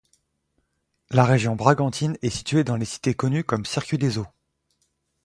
La région bragantine est située dans les cités connues comme Circuit des Eaux.